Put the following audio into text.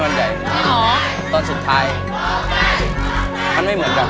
มั่นใจป่ะมั่นใจป่ะไม่มั่นใจหรอ